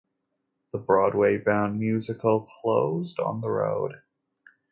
The Broadway-bound musical closed on the road.